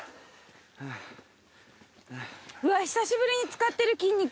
うわ久しぶりに使ってる筋肉。